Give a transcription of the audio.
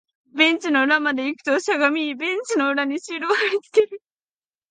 ベンチの裏まで行くと、しゃがみ、ベンチの裏にシールを貼り付ける